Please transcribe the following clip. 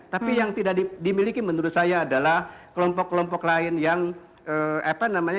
tapi yang tidak dimiliki menurut saya adalah kelompok kelompok lain yang apa namanya